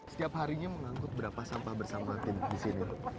setiap harinya mengangkut berapa sampah bersama tim di sini